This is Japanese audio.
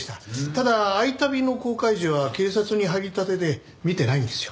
ただ『愛旅』の公開時は警察に入りたてで見てないんですよ。